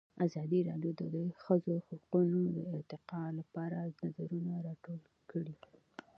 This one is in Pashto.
ازادي راډیو د د ښځو حقونه د ارتقا لپاره نظرونه راټول کړي.